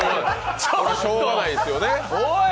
これ、しょうがないですよね